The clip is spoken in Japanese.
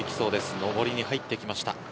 上りに入っていきました。